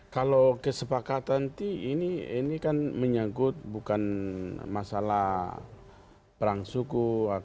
kalau kesepakatan ini kan menyangkut bukan masalah perang suku